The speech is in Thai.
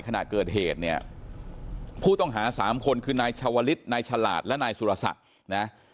ขณะเกิดเหตุเนี่ยผู้ต้องหาสามคนคือนายชาวลิศนายฉลาดและนายสุรศักดิ์นะ